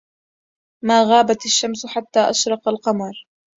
ما غابت الشمس حتى أشرق القمر